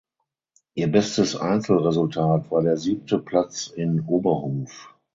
Ihr bestes Einzelresultat war der siebte Platz in Oberhof.